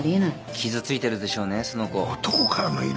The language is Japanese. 傷ついてるでしょうね